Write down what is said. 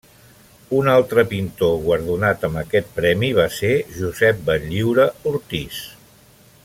Un altre pintor guardonat amb aquest premi va ser Josep Benlliure Ortiz.